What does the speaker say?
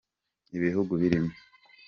ibihugu birimo.